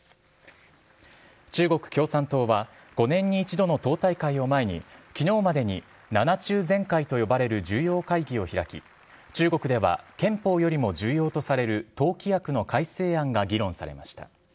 中国共産党は５年に１度の党大会を前に昨日までに７中全会と呼ばれる重要会議を開き中国では憲法よりも重要とされる党規約の改正案が議論されました。